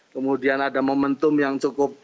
kemudian ada momentum yang cukup